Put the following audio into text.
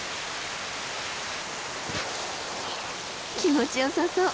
気持ちよさそう。